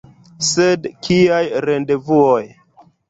Sed kiaj rendevuoj?!